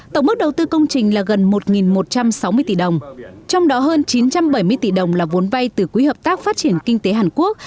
tổng mức đầu tư công trình là gần một một trăm sáu mươi tỷ đồng trong đó hơn chín trăm bảy mươi tỷ đồng là vốn vay từ quỹ hợp tác phát triển kinh tế hàn quốc